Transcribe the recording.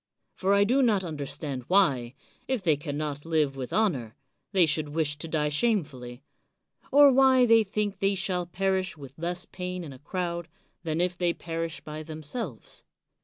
For I do not understand why, if they can not live with honor, they should wish to die shamefully; or why they think they shall pt^rish with less pain in a crowd, than if they per ish by themselves.